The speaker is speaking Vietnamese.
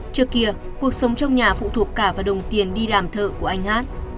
trước kia cuộc sống trong nhà phụ thuộc cả vào đồng tiền đi làm thợ của anh hát